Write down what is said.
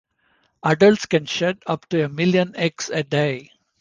Adults can shed up to a million eggs a day.